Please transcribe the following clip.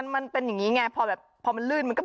มันเป็นอย่างนี้ไงพอแบบพอมันลื่นมันก็